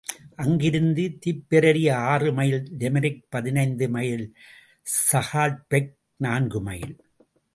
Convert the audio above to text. அங்கிருந்து திப்பெரரி ஆறுமைல் லிமெரிக் பதினைந்து மைல் ஸாஹெட்பக் நான்குமைல்.